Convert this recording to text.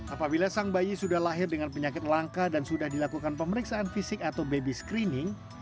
apabila sang bayi sudah lahir dengan penyakit langka dan sudah dilakukan pemeriksaan fisik atau baby screening